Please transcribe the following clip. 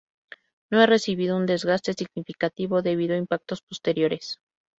No ha recibido un desgaste significativo debido a impactos posteriores.